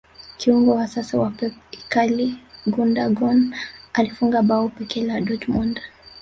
kiungo wa sasa wa pep ikaly gundagon alifunga bao pekee la dortmond